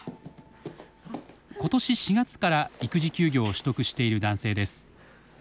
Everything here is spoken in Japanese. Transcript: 今年４月から育児休業を取得している男性です。